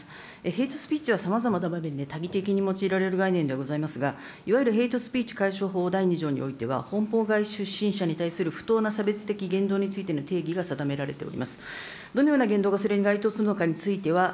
ヘイトスピーチはさまざまな場面で多義的に用いられる概念ではございますが、いわゆるヘイトスピーチ解消法第２条においては、本邦外出身者に対する不当な差別的言動についての定義が定められております。